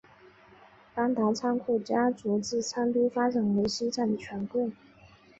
邦达仓家族自昌都发展为西藏的权贵。